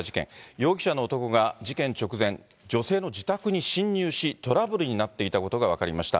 容疑者の男が事件直前、女性の自宅に侵入し、トラブルになっていたことが分かりました。